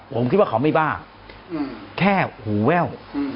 ผมคิดว่าเขาไม่บ้าแค่หูแว่ว